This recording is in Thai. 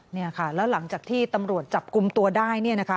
เนี่ยค่ะแล้วหลังจากที่ตำรวจจับกลุ่มตัวได้